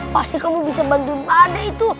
pasti kamu bisa bantu mana itu